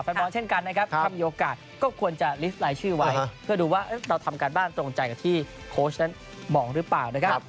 บอลเช่นกันนะครับถ้ามีโอกาสก็ควรจะลิฟต์ลายชื่อไว้เพื่อดูว่าเราทำการบ้านตรงใจกับที่โค้ชนั้นบอกหรือเปล่านะครับ